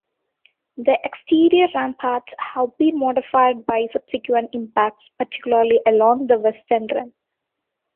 The exterior ramparts have been modified by subsequent impacts, particularly along the western rim.